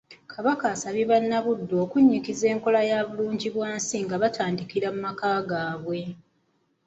Kabaka asabye bannabuddu okunnyikiza enkola ya bulungibwansi nga batandikira mu maka gaabwe.